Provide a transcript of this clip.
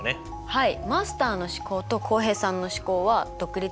はい。